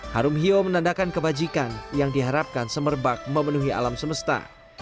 harum hio menandakan kebajikan yang diharapkan semerbak memenuhi alam semesta